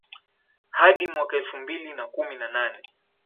hadi mwaka elfu mbili na kumi na nane